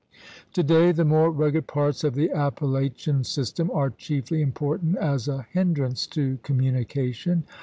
Today the more rugged parts of the Appalachian system are chiefly important as a hindrance tc communication.